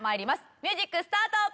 ミュージックスタート！